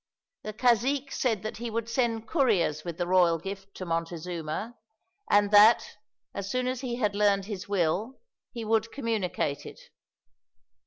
The cazique said that he would send couriers with the royal gift to Montezuma; and that, as soon as he had learned his will, he would communicate it.